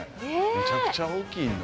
むちゃくちゃ大きいな。